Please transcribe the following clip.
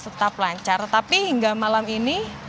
tetap lancar tapi hingga malam ini